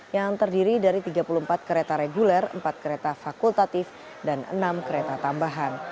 yang terdiri dari tiga puluh empat kereta reguler empat kereta fakultatif dan enam kereta tambahan